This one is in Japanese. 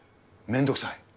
面倒くさい。